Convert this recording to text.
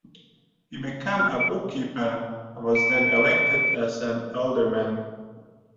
He became a bookkeeper, and was then elected as an alderman.